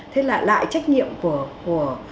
thế lại trách nhiệm của